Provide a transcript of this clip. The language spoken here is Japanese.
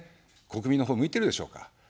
国民のほうを向いてるでしょうか。